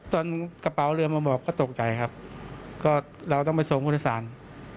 กระเป๋าเรือมาหมอบก็ตกใจครับก็เราต้องไปส่งผู้โดยสาร